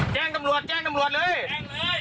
แจ้งตำรวจแจ้งตำรวจเลย